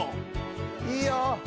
いいよ。